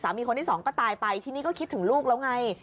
มีคนที่สองก็ตายไปทีนี้ก็คิดถึงลูกแล้วไง